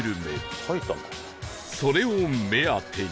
それを目当てに